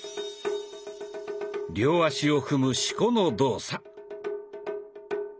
両足を踏む四股の動作。